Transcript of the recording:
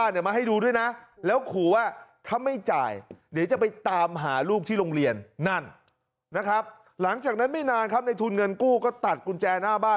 หลังจากนั้นนะครับหลังจากนั้นไม่นานครับในทุนเงินกู้ก็ตัดกุญแจหน้าบ้าน